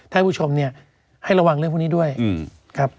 ท่านผู้ชมเนี่ยให้ระวังเรื่องพวกนี้ด้วยครับ